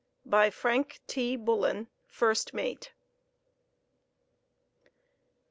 By FRANK T. BULLEN, First Mate.